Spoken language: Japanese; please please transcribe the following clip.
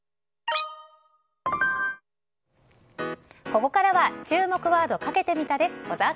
ここからは注目ワードかけてみたです。